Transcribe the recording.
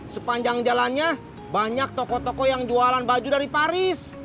sepanjang jalannya banyak toko toko yang jualan baju dari paris